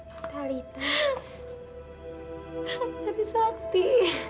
hai talita hai hari sakti